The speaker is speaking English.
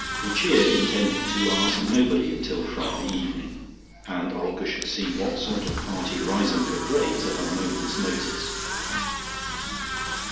Lucia intended to ask nobody until Friday evening, and Olga should see what sort of party Riseholme could raise at a moment's notice.